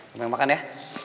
sampai makan ya